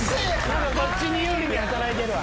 こっちに有利に働いてるわ。